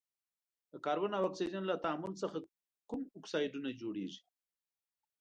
د کاربن او اکسیجن له تعامل څخه کوم اکسایدونه جوړیږي؟